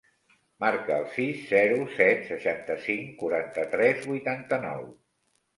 Marca el sis, zero, set, seixanta-cinc, quaranta-tres, vuitanta-nou.